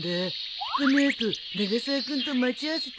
この後永沢君と待ち合わせてるからさ。